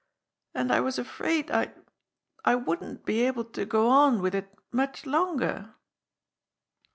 And I was afraid I'd I wouldn't be able to go on with it much longer."